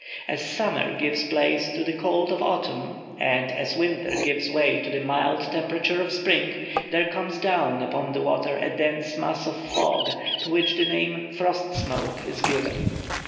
As summer gives place to the cold of autumn, and as winter gives way to the mild temperature of spring, there comes down upon the water a dense mass of fog, to which the name "frost smoke" is given.